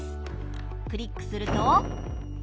クリックすると。